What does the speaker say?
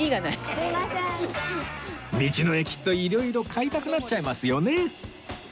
道の駅って色々買いたくなっちゃいますよね